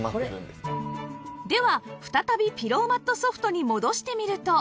では再びピローマット Ｓｏｆｔ に戻してみると